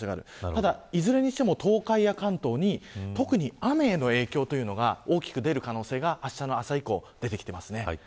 ただ、いずれにしても東海や関東に特に、雨の影響が大きく出る可能性があしたの朝以降出てきています。